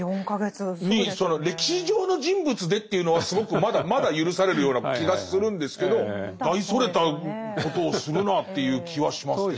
歴史上の人物でというのはすごくまだまだ許されるような気がするんですけど大それたことをするなっていう気はしますけど。